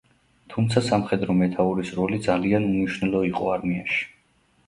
თუმცა სამხედრო მეთაურის როლი ძალიან უმნიშვნელო იყო არმიაში.